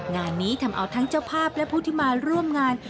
งานนี้ทำเอาทั้งเจ้าภาพและผู้ที่มาร่วมงาน